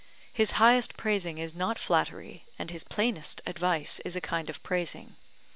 His highest praising is not flattery, and his plainest advice is a kind of praising.